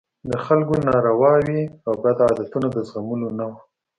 د خلکو نارواوې او بدعتونه د زغملو نه وو.